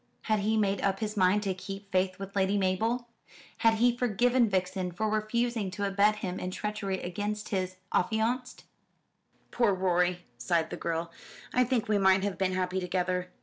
Had he made up his mind to keep faith with Lady Mabel? Had he forgiven Vixen for refusing to abet him in treachery against his affianced? "Poor Rorie," sighed the girl; "I think we might have been happy together."